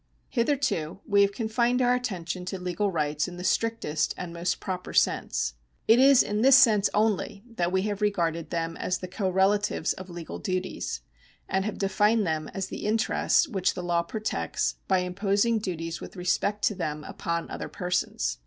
Hitherto we have confined our attention to legal rights in the strictest and most proper sense. It is in this sense only that we have regarded them as the correlatives of legal duties, and have defined them as the interests which the law protects by imposing duties with respect to them upon other persons.